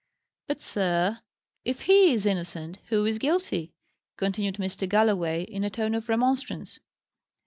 "But, sir, if he is innocent, who is guilty?" continued Mr. Galloway, in a tone of remonstrance.